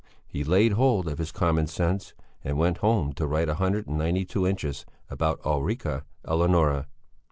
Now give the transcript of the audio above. He laid hold of his common sense and went home to write a hundred and ninety two inches about Ulrica Eleonora.